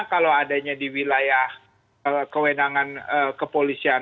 kalau adanya di wilayah kewenangan kepolisian